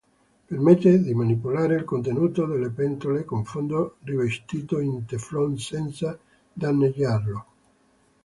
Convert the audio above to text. Permette di manipolare il contenuto nelle pentole con fondo rivestito in teflon senza danneggiarlo.